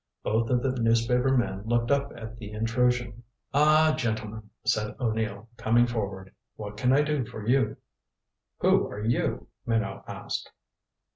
Both of the newspaper men looked up at the intrusion. "Ah, gentlemen," said O'Neill, coming forward. "What can I do for you?" "Who are you?" Minot asked.